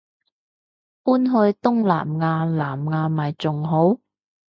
搬去東南亞南亞咪仲好